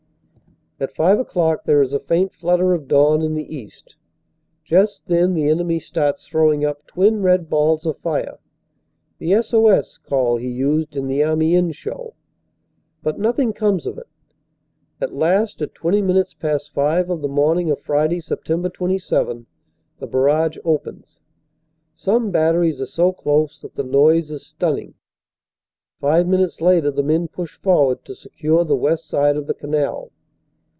At five o clock there is a faint flutter of dawn in the east. Just then the enemy starts throwing up twin red balls of fire the S.O.S. call he used in the Amiens show. But nothing MARCHING UP TO BATTLE 217 comes of it. At last, at twenty minutes past five of the morning of Friday, Sept. 27, the barrage opens. Some batteries are so close that the noise is stunning. Five minutes later the men push forward to secure the west side of the canal.